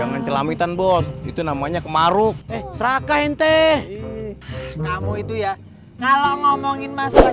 jangan celamitan buat itu namanya kemaru eh serakah ente kamu itu ya kalau ngomongin masalah